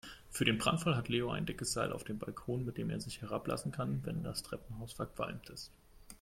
Für den Brandfall hat Leo ein dickes Seil auf dem Balkon, mit dem er sich herablassen kann, wenn das Treppenhaus verqualmt ist.